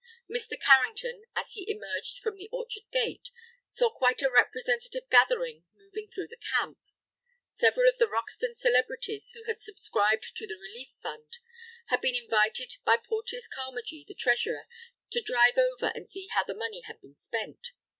Mr. Carrington, as he emerged from the orchard gate, saw quite a representative gathering moving through the camp. Several of the Roxton celebrities who had subscribed to the relief fund, had been invited by Porteus Carmagee, the treasurer, to drive over and see how the money had been spent.